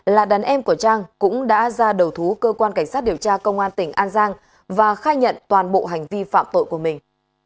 là đàn em của trang cũng đã ra đầu thú cơ quan cảnh sát điều tra công an tỉnh an giang và khai nhận toàn bộ hành vi phạm tội của mình